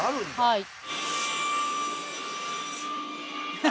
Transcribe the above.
はい。